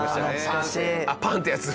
パーンってやつ。